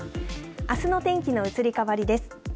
あすの天気の移り変わりです。